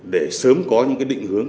để sớm có những cái định hướng